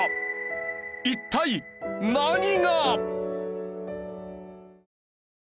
一体何が！？